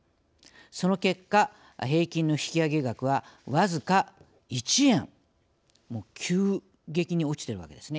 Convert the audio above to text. その結果平均の引き上げ額はわずか１円急激に落ちているわけですね。